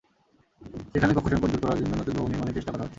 সেখানে কক্ষ-সংকট দূর করার জন্য নতুন ভবন নির্মাণের চেষ্টা করা হচ্ছে।